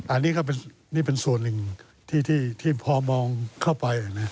อันนี้ก็นี่เป็นส่วนหนึ่งที่พอมองเข้าไป